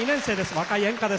若い演歌です。